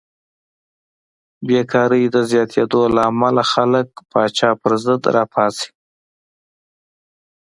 بېکارۍ د زیاتېدو له امله خلک پاچا پرضد راپاڅي.